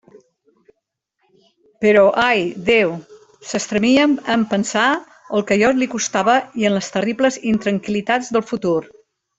Però ai, Déu!, s'estremia en pensar el que allò li costava i en les terribles intranquil·litats del futur.